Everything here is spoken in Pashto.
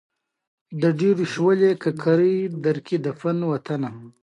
خاص کونړ ولسوالۍ پراخې ځمکې لري